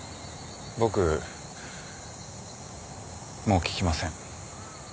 僕もう聞きません。